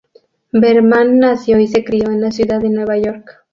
Berman nació y se crio en la ciudad de Nueva York.